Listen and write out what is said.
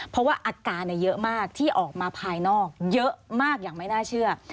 เพราะว่าอาการเยอะมากที่ออกมาภายนอกเยอะมากอย่างไม่น่าเชื่อ